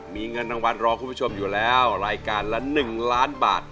มีเงินรางวัลรอคุณผู้ชมอยู่แล้วรายการละ๑ล้านบาท